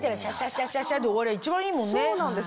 シャシャシャで終われば一番いいもんね。